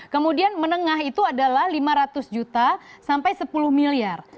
kemudian menengah itu adalah lima ratus juta sampai sepuluh miliar